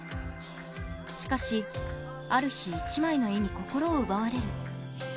しかしある日１枚の絵に心を奪われる。